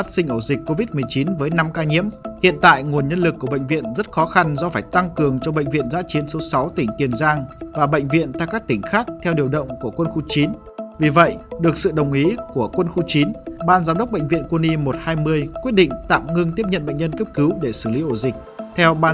xin chào và hẹn gặp lại trong các video tiếp theo